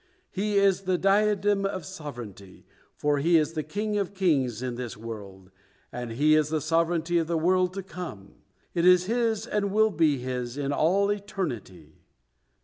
His is the diadem of sovereignty, for He is the King of kings in this world, and His is the sovereignty of the world to come; it is His and will be His in all eternity."